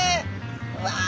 うわ！